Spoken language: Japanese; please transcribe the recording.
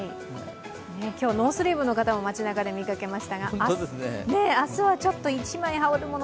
今日ノースリーブの方も街なかで見かけましたが明日はちょっと１枚羽織るもの